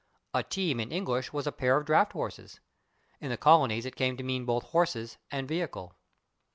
A /team/, in English, was a pair of draft horses; in the colonies it came to mean both horses and vehicle.